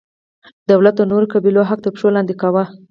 دولت د نورو قبیلو حق تر پښو لاندې کاوه.